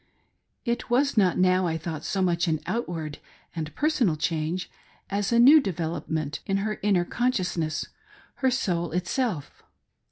It was not now, I thought, so much an outward and personal change, as a new development of her inner con sciousness— her soul itself.